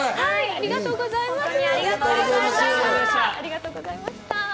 ありがとうございます。